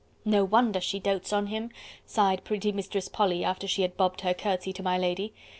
"No wonder she dotes on him!" sighed pretty Mistress Polly after she had bobbed her curtsy to my lady.